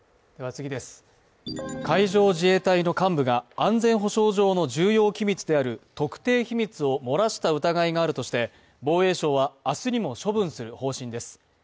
海上自衛隊の幹部が安全保障上の重要機密である特定秘密を漏らした疑いがあるとして、防衛省は明日にも処分する方針です。